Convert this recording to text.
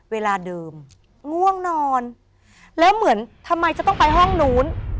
เวลาเดิมง่วงนอนแล้วเหมือนทำไมจะต้องไปห้องนู้น